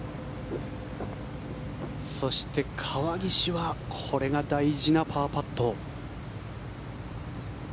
そして、川岸はこれが大事なパーパット。